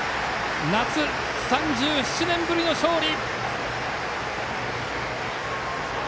夏３７年ぶりの勝利！